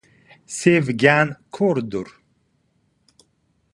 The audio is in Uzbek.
• Sevgan ko‘rdir.